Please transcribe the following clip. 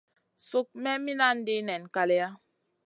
Suk me minandi nen kaleya.